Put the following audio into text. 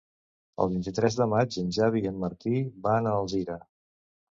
El vint-i-tres de maig en Xavi i en Martí van a Alzira.